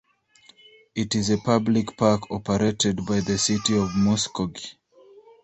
It is a public park operated by the City of Muskogee.